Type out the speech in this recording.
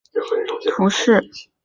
圣普罗热人口变化图示